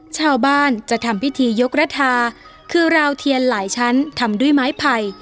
ชาวบ้านจะทำพิธียกระทาคือราวเทียนหลายชั้นทำด้วยไม้ไผ่